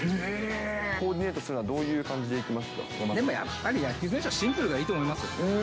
コーディネートするなら、でもやっぱり野球選手はシンプルがいいと思います。